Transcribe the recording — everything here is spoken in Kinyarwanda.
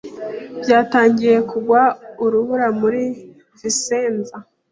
Byatangiye kugwa urubura muri Vicenza.